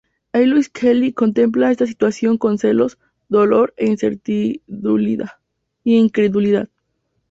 Eloise Kelly contempla esta situación con celos, dolor e incredulidad.